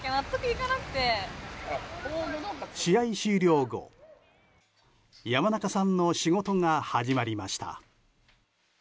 試合終了後山中さんの仕事が始まりました。